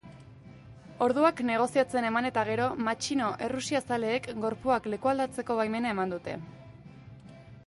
Orduak negoziatzen eman eta gero, matxino errusiazaleek gorpuak lekualdatzeko baimena eman dute.